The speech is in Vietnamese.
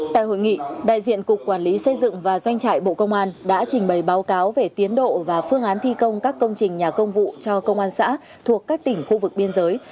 tại hội nghị đại diện cục quản lý xây dựng và doanh trại bộ công an đã trình bày báo cáo về tiến độ và phương án thi công các công trình nhà công vụ cho công an xã thuộc các tỉnh khu vực biên giới